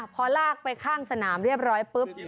พอลากไปข้างสนามเรียบร้อยปุ๊บ